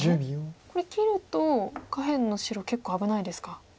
これ切ると下辺の白結構危ないですか。